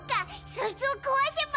そいつを壊せば。